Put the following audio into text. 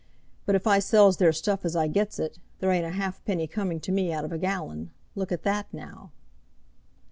But if I sells their stuff as I gets it, there ain't a halfpenny coming to me out of a gallon. Look at that, now."